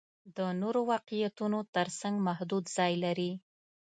د نورو واقعیتونو تر څنګ محدود ځای لري.